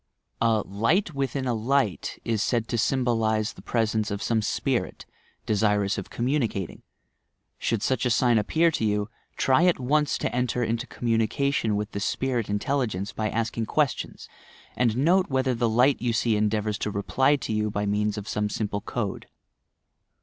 A "light within a light" is said to symbolize the presence of some "spirit," desirous of communicat ing. Should such a sign appear to you, try at once to enter into commimication with the spirit intelligence by asking questions and note whether the light you see en deavours to reply to you by means of some simple code.